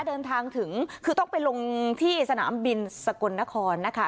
เดินทางถึงคือต้องไปลงที่สนามบินสกลนครนะคะ